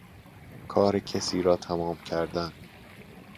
کار کسی را تمام کردن